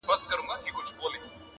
تجرۍ دي که جېبونه صندوقونه-